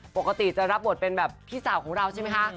ปกติจะรับบทเป็นแบบพี่สาวของเราใช่ไหมคะ